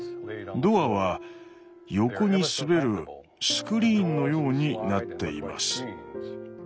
ドアは横に滑るスクリーンのようになっています。